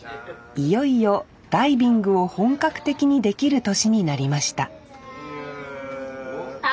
いよいよダイビングを本格的にできる年になりました